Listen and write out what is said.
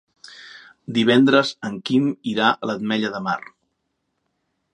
Divendres en Quim irà a l'Ametlla de Mar.